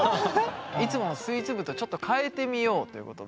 いつものスイーツ部とちょっと変えてみようということで。